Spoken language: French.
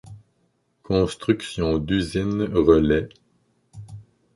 Construction d’usines relais.